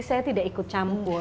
saya tidak ikut campur